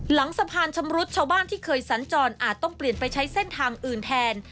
หลังสะพานชำรุดชาวบ้านที่เคยสัญจรอาจต้องเปลี่ยนไปใช้เส้นทางอื่นแทน